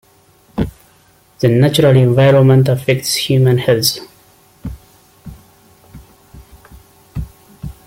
The natural environment affects human health.